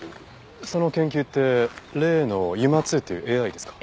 その研究って例のＵＭＡ−ⅡっていうＡＩですか？